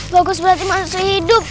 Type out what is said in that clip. bagus berarti manusia hidup